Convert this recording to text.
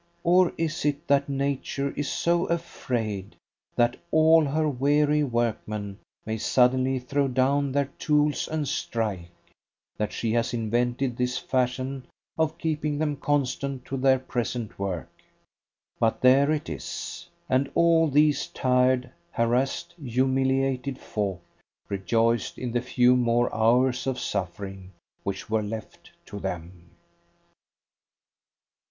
Or is it that Nature is so afraid that all her weary workmen may suddenly throw down their tools and strike, that she has invented this fashion of keeping them constant to their present work? But there it is, and all these tired, harassed, humiliated folk rejoiced in the few more hours of suffering which were left to them.